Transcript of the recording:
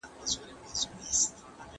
که انځور وي نو څیره نه هیریږي.